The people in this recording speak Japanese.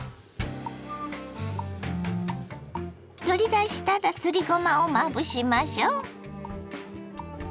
取り出したらすりごまをまぶしましょ。